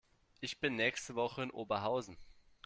Ich bin nächste Woche in Oberhausen